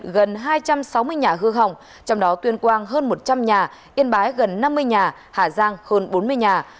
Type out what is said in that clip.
gần hai trăm sáu mươi nhà hư hỏng trong đó tuyên quang hơn một trăm linh nhà yên bái gần năm mươi nhà hà giang hơn bốn mươi nhà